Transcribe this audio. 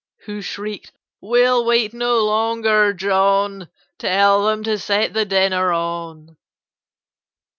Who shrieked "We'll wait no longer, John! Tell them to set the dinner on!"